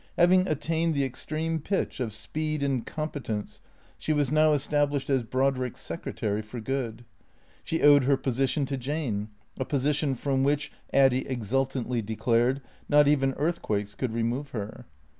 Having attained the extreme pitch of speed and competence, she was now established as Brodrick's secretary for good. She owed her position to Jane, a position from which, Addy exultantly declared, not even earthquakes could remove her.